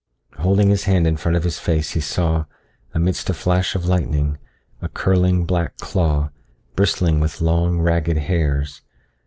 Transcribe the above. Holding his hand in front of his face he saw, amidst a flash of lightning, a curling, black claw, bristling with long, ragged hairs.